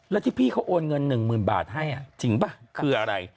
แล้วที่พี่เขาโอนเงิน๑๐๐๐บาทให้จริงป่ะคืออะไร